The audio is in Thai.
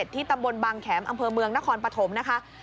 ที่ตำบลบางแขมอำเภอเมืองนครปฐมนะคะ